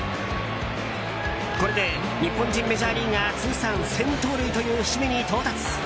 これで日本人メジャーリーガー通算１０００盗塁という節目に到達。